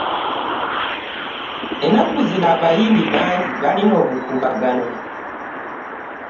Ennaku zino abayimbi bangi balina obukuubagano.